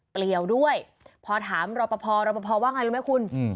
เปรี้ยวด้วยพอถามรอปภรอปภว่าอย่างไรรึไม่คุณ